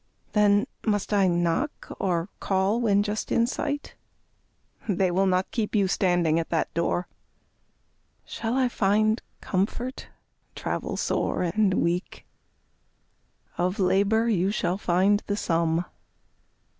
Then must I knock, or call when just in sight? They will not keep you standing at that door. Shall I find comfort, travel sore and weak? Of labor you shall find the sum.